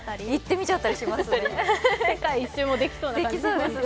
世界一周もできそうな感じ。